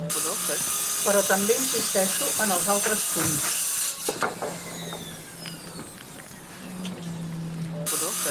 Però també insisteixo en els altres punts.